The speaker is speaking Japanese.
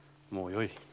もうよい。